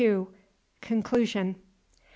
CONCLUSION. Mr.